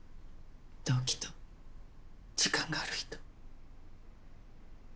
動機と時間がある人。